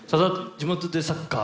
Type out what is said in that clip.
地元でサッカー。